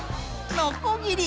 のこぎり。